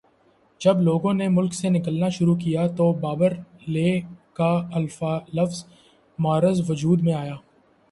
جب لوگوں نے ملک سے نکلنا شروع کیا تو باہرلے کا لفظ معرض وجود میں آیا